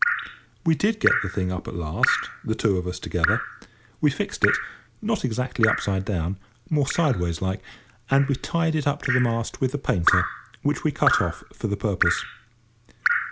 We did get the thing up at last, the two of us together. We fixed it, not exactly upside down—more sideways like—and we tied it up to the mast with the painter, which we cut off for the purpose.